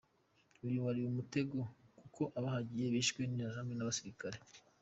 Uyu ariko wari umutego kuko abahagiye bishwe n’Interahamwe n’abasirikare.